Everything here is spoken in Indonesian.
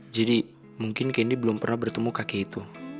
jadi mungkin candy belum pernah bertemu kakek itu